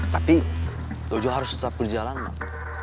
tapi dojo harus tetap berjalan bang